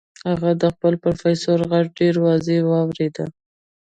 هغه د خپل پروفيسور غږ ډېر واضح واورېد.